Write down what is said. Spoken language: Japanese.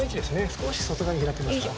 少し外側に開けますか？